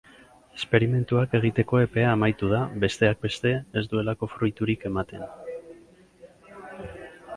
Esperimentuak egiteko epea amaitu da, besteak beste, ez duelako fruiturik ematen.